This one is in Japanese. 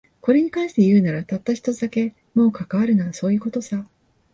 これに関して言うなら、たった一つだけ。もう関わるな、そういう事さ。